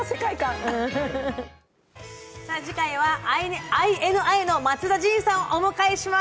次回はＩＮＩの松田迅さんをお迎えします。